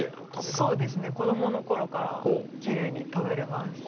そうですね子どもの頃からキレイに食べれます。